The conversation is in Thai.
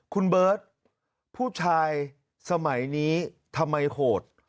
คุณเบิร์ตผู้ชายสมัยนี้ทำไมโหด